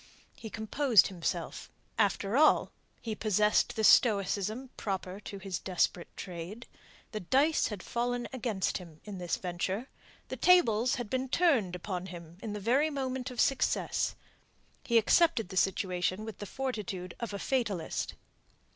He composed himself. After all, he possessed the stoicism proper to his desperate trade. The dice had fallen against him in this venture. The tables had been turned upon him in the very moment of success. He accepted the situation with the fortitude of a fatalist.